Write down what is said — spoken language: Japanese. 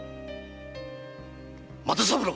又三郎！